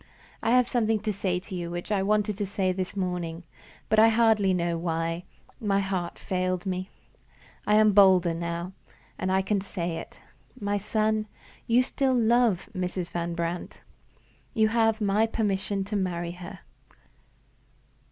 I have something to say to you which I wanted to say this morning; but, I hardly know why, my heart failed me. I am bolder now, and I can say it. My son, you still love Mrs. Van Brandt. You have my permission to marry her."